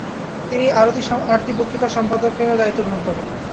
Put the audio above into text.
তিনি আরতি পত্রিকার সম্পাদকের দায়িত্ব গ্রহণ করেন।